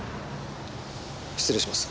失礼します。